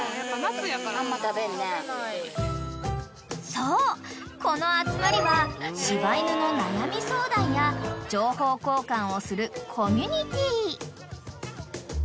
［そうこの集まりは柴犬の悩み相談や情報交換をするコミュニティ］